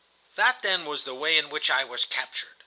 "That, then, was the way in which I was captured.